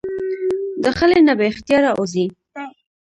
د خلې نه بې اختياره اوځي